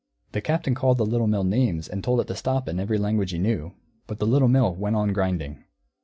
The Captain called the Little Mill names and told it to stop, in every language he knew, but the Little Mill went on grinding.